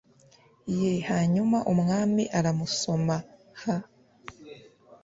ye hanyuma umwami aramusoma h